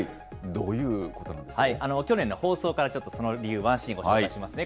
どういうことな去年の放送からちょっとその理由、ワンシーンご紹介しますね。